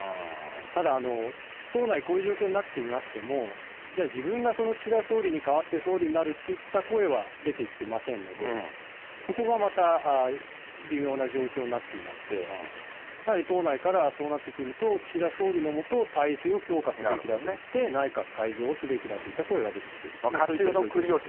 ただ、党内、こういう状況になってみましても、じゃあ、自分がその岸田総理に代わって総理になるっていった声は出てきていませんので、そこがまた微妙な状況になっていまして、やはり党内からそうなってくると、岸田総理の下、体制を強化すべきだといって、内閣改造をすべきだといった声が出てきていると、そういった状況です。